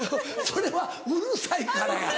それはうるさいからや。